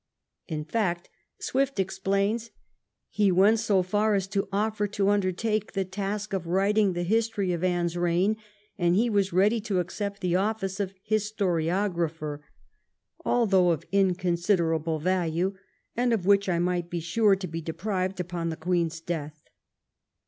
In fact, Swift explains, he went so far as to offer to undertake the task of writing the history of Anne's reign, and he was ready to accept the office of historiographer, " although of inconsiderable value, and of which I might be sure to be deprived upon the Queen's death."